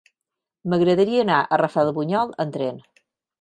M'agradaria anar a Rafelbunyol amb tren.